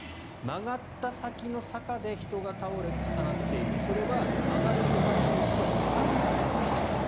曲がった先の坂で人が倒れ重なっているとはそれは曲がる手前の道ではわからなかったと。